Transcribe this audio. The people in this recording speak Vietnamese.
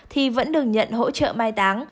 thì vẫn được nhận hỗ trợ mai táng